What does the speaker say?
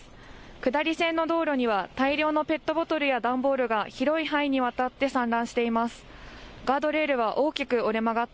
下り線の道路には大量のペットボトルや段ボールが広い範囲にわたって散乱しています。